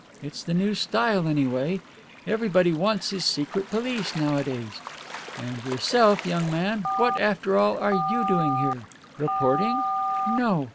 It's the new style, anyway; everybody wants his secret police nowadays. And yourself, young man, what, after all, are you doing here? Reporting? No.